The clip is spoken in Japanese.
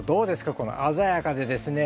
この鮮やかでですね